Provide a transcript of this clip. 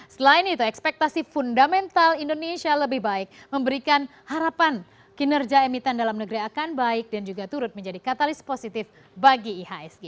selain itu ekspektasi fundamental indonesia lebih baik memberikan harapan kinerja emiten dalam negeri akan baik dan juga turut menjadi katalis positif bagi ihsg